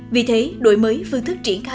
vì thế đổi mới phương thức triển khai